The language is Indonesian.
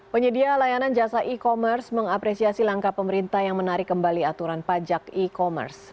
penyedia layanan jasa e commerce mengapresiasi langkah pemerintah yang menarik kembali aturan pajak e commerce